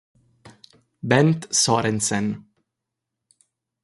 Bent Sørensen